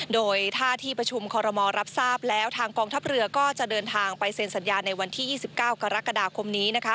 โดยถ้าที่ประชุมคอรมอลรับทราบแล้วทางกองทัพเรือก็จะเดินทางไปเซ็นสัญญาในวันที่๒๙กรกฎาคมนี้นะคะ